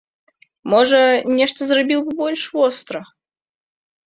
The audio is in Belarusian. Можа, нешта зрабіў бы больш востра.